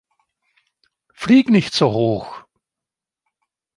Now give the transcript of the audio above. Flieg nicht so hoch!